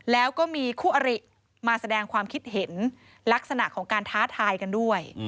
แล้วก็มีคู่อริมาแสดงความคิดเห็นลักษณะของการท้าทายกันด้วย